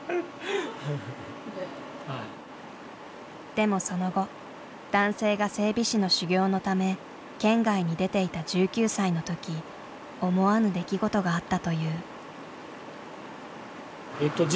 でもその後男性が整備士の修業のため県外に出ていた１９歳の時思わぬ出来事があったという。